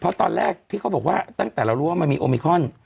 เพราะตอนแรกที่เขาบอกว่าตั้งแต่เรารู้ว่ามันมีโอมิคอน